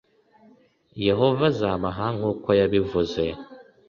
Yehova azabaha nk’uko yabivuze